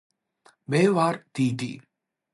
მე ვარ დიდი